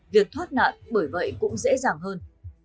việc thoát nạn bởi vậy cũng dễ dàng hơn